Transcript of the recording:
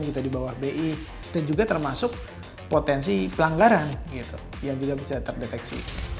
gitu di bawah bi dan juga termasuk potensi pelanggaran yang juga bisa terdeteksi